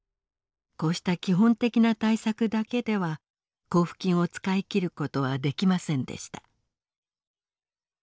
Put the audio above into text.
こうした基本的な対策だけでは交付金を使い切ることはできませんでした。